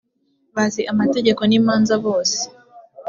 bazi amategeko n imanza bose